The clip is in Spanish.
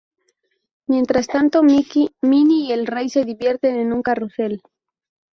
Mientras tanto, Mickey, Minnie y el rey se divierten en un carrusel.